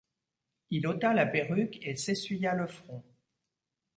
Il ôta la perruque et s’essuya le front.